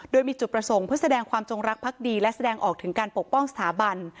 โดยมีจุดประสงค์เพื่อแสดงความจงรักพักดีและแสดงออกถึงการปกป้องสถาบัน